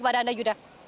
pada anda yudha